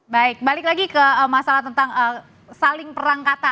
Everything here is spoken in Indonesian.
baik balik lagi ke masalah tentang saling perang kata